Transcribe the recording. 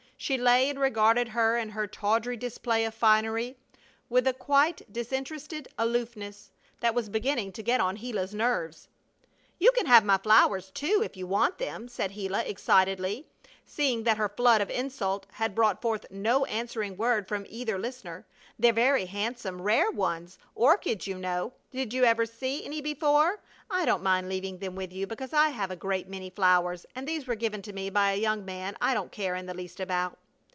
She lay and regarded her and her tawdry display of finery with a quiet, disinterested aloofness that was beginning to get on Gila's nerves. "You can have my flowers, too, if you want them," said Gila, excitedly, seeing that her flood of insult had brought forth no answering word from either listener. "They're very handsome, rare ones orchids, you know. Did you ever see any before? I don't mind leaving them with you because I have a great many flowers, and these were given me by a young man I don't care in the least about."